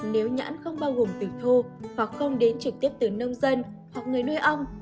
nếu nhãn không bao gồm từ thô hoặc không đến trực tiếp từ nông dân hoặc người nuôi ong